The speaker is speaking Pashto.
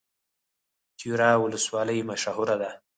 تیوره ولسوالۍ مشهوره ده؟